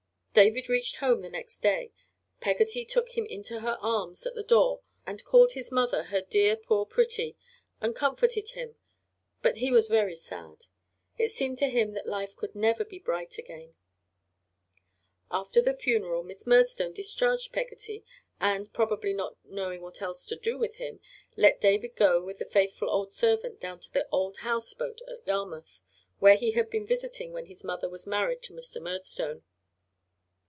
David reached home the next day. Peggotty took him into her arms at the door and called his mother her "dear, poor pretty," and comforted him, but he was very sad. It seemed to him that life could never be bright again. After the funeral Miss Murdstone discharged Peggotty and, probably not knowing what else to do with him, let David go with the faithful old servant down to the old house boat at Yarmouth, where he had been visiting when his mother was married to Mr. Murdstone.